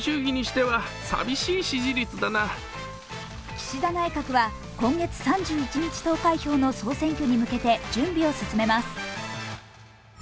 岸田内閣は今月３１日投開票の総選挙に向けて準備を進めます。